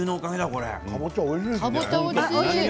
かぼちゃ、おいしい。